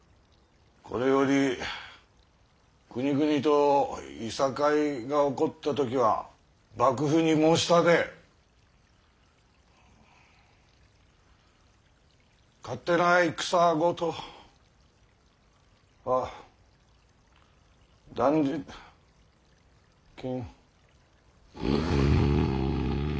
これより国々といさかいが起こった時は幕府に申し立て勝手な戦事は断じ禁。